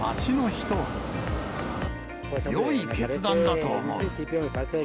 よい決断だと思う。